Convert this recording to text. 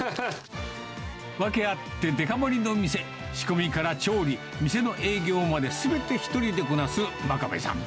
訳あってデカ盛りの店、仕込みから調理、店の営業まですべて一人でこなす真壁さん。